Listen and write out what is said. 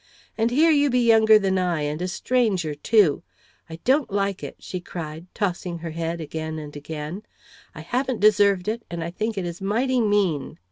And here you be younger than I, and a stranger too. I don't like it," she cried, tossing her head again and again. "I haven't deserved it, and I think it is mighty mean."